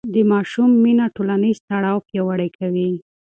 د ماشوم مینه ټولنیز تړاو پیاوړی کوي.